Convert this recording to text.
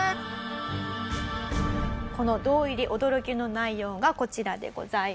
この堂入り驚きの内容がこちらでございます。